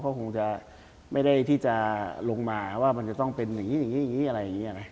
เขาก็คงจะไม่ได้ที่จะลงมาว่ามันจะต้องเป็นอย่างนี้อะไรอย่างนี้